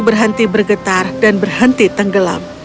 berhenti bergetar dan berhenti tenggelam